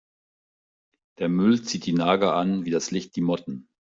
Der Müll zieht die Nager an wie das Licht die Motten.